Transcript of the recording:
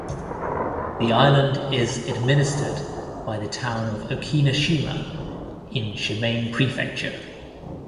The island is administered by the town of Okinoshima in Shimane Prefecture.